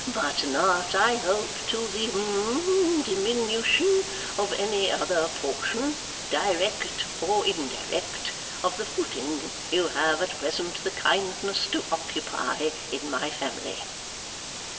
'But not, I hope, to the hum diminution of any other portion, direct or indirect, of the footing you have at present the kindness to occupy in my family.